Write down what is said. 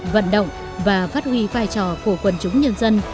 vận động và phát huy vai trò của quần chúng nhân dân